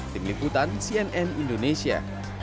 tim liputan cnn indonesia